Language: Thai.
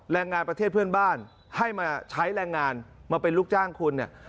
แรงงานประเทศเพื่อนบ้านให้มาใช้แรงงานมาเป็นลูกจ้างคุณเนี่ย